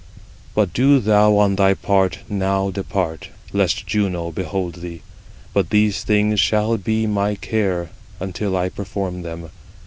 But do thou on thy part now depart, lest Juno behold thee: but these things shall be my care, until I perform them.